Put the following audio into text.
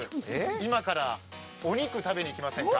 今からお肉食べに行きませんか？